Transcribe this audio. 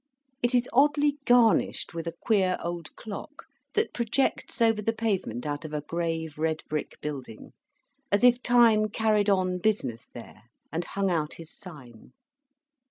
It is oddly garnished with a queer old clock that projects over the pavement out of a grave red brick building, as if Time carried on business there, and hung out his sign.